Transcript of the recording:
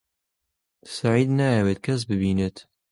سەعید نایەوێت کەس ببینێت.